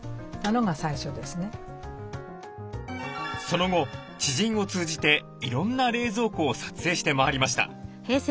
その後知人を通じていろんな冷蔵庫を撮影して回りました。